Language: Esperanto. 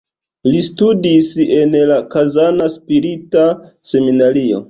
Li studis en la Kazana spirita seminario.